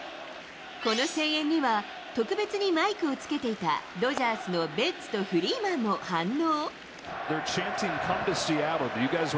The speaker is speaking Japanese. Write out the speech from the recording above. この声援には、特別にマイクをつけていた、ドジャースのベッツとフリーマンも反応。